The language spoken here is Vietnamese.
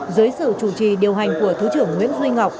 dưới sự chủ trì điều hành của thứ trưởng nguyễn duy ngọc